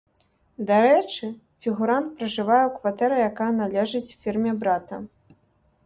Дарэчы, фігурант пражывае ў кватэры, якая належыць фірме брата.